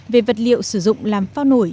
về vật liệu sử dụng làm phao nổi